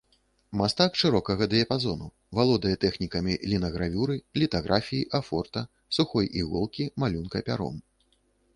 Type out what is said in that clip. Мастак шырокага дыяпазону, валодае тэхнікамі лінагравюры, літаграфіі, афорта, сухой іголкі, малюнка пяром.